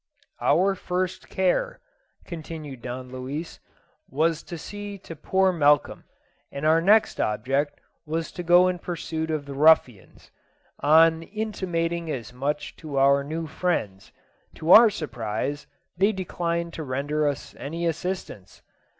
"Our first care," continued Don Luis, "was to see to poor Malcolm, and our next object was to go in pursuit of the ruffians. On intimating as much to our new friends, to our surprise they declined to render us any assistance.